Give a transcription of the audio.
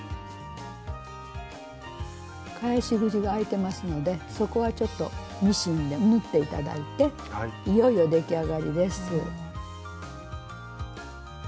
返し口があいてますのでそこはちょっとミシンで縫って頂いていよいよ出来上がりです。